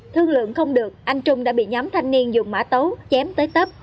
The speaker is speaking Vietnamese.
thương lượng không được anh trung đã bị nhóm thanh niên dùng mã tấu chém tới tấp